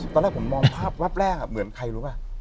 ตอนแรกผมมองภาพแวบแรกเหมือนใครรู้ป่ะ